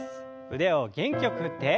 腕を元気よく振って。